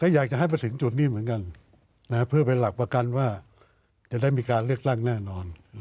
อยากจะให้มาถึงจุดนี้เหมือนกันเพื่อเป็นหลักประกันว่าจะได้มีการเลือกตั้งแน่นอน